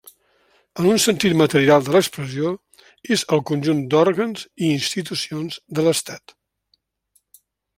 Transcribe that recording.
En un sentit material de l'expressió, és el conjunt d'òrgans i institucions de l'estat.